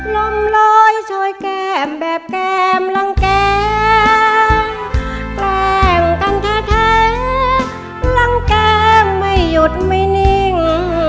ลมลอยโชยแก้มแบบแก้มลังแกล้งกันแท้ลังแก้มไม่หยุดไม่นิ่ง